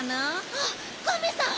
あっガメさん！